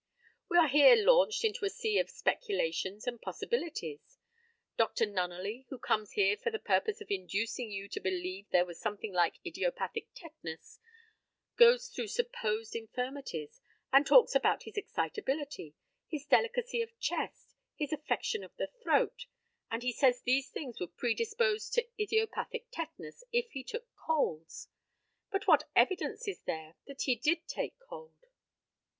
We are here launched into a sea of speculations and possibilities. Dr. Nunneley, who comes here for the purpose of inducing you to believe there was something like idiopathic tetanus, goes through supposed infirmities, and talks about his excitability, his delicacy of chest, his affection of the throat, and he says these things would predispose to idiopathic tetanus if he took colds. But what evidence is there that he did take cold?